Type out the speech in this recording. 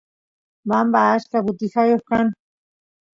bamba achka butijayoq kan